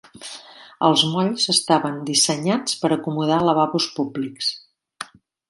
Els molls estaven dissenyats per acomodar lavabos públics.